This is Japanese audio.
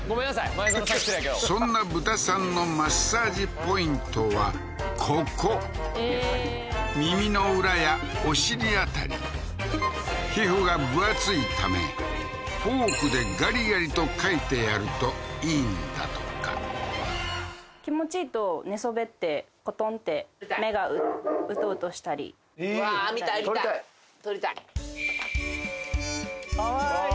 前園さんに失礼やけどそんなブタさんのマッサージポイントはここ耳の裏やお尻辺り皮膚が分厚いためフォークでガリガリとかいてやるといいんだとか気持ちいいとコトンってうわー見たい見たい撮りたいかわいい！